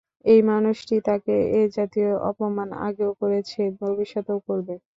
এই মানুষটি তাঁকে এ-জাতীয় অপমান আগেও করেছে, ভবিষ্যতেও করবে।